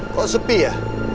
kok sepi ya